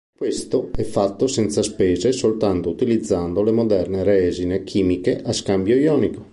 Questo è fatto senza spese soltanto utilizzando le moderne resine chimiche a scambio ionico.